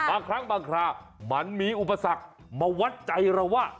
บางครั้งบางครามันมีอุปสรรคมาวัดใจเราว่า